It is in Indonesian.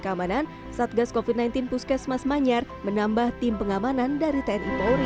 keamanan satgas kofit sembilan belas puskesmas manyar menambah tim pengamanan dari tni polri